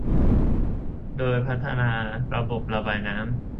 โดยพัฒนาระบบระบายน้ำ